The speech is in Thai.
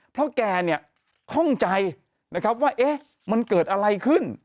เพราะแกเนี่ยข้องใจนะครับว่าเอ๊ะมันเกิดอะไรขึ้น